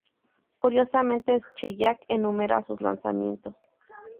Curiosamente, Shellac enumera sus lanzamientos.